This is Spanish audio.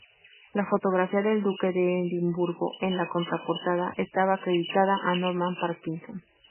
La fotografía del Duque de Edimburgo en la contraportada estaba acreditada a Norman Parkinson.